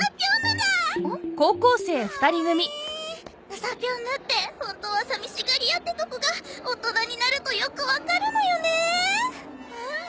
うさぴょんぬって本当はさみしがり屋ってとこが大人になるとよくわかるのよねえ。